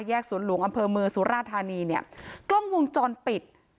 สวนหลวงอำเภอเมืองสุราธานีเนี่ยกล้องวงจรปิด